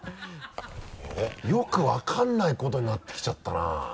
よく分からないことになってきちゃったな。